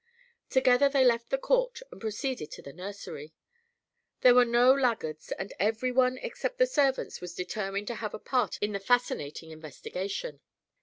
Together they left the court and proceeded to the nursery. There were no laggards and everyone except the servants was determined to have a part in the fascinating investigation.